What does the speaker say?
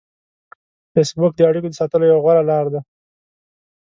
فېسبوک د اړیکو د ساتلو یوه غوره لار ده